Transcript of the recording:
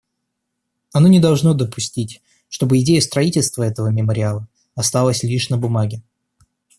Оно не должно допустить, чтобы идея строительства этого мемориала осталась лишь на бумаге.